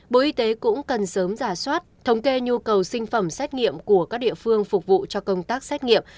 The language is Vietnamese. bộ y tế cũng cần sớm giả soát thống kê nhu cầu sinh phẩm xét nghiệm của các địa phương phục vụ cho công tác xét nghiệm